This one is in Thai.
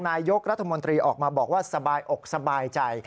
นายกรัฐมนตรีออกมาบอกว่าสบายอกสบายใจ